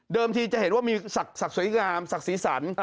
เดิมทีจะเห็นว่ามีศักดิ์สวยงามศักดิ์ศรีสรรค์